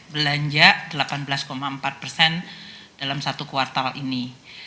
belanja delapan belas empat persen dalam satu kuartal ini